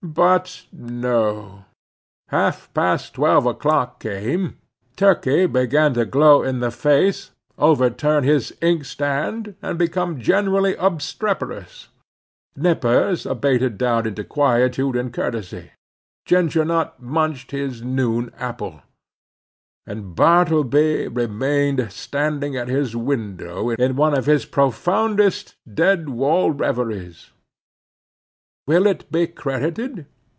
But no. Half past twelve o'clock came; Turkey began to glow in the face, overturn his inkstand, and become generally obstreperous; Nippers abated down into quietude and courtesy; Ginger Nut munched his noon apple; and Bartleby remained standing at his window in one of his profoundest dead wall reveries. Will it be credited?